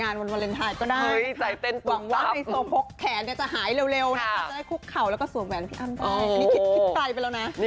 อันนี้คิดไกลไปแล้วนะ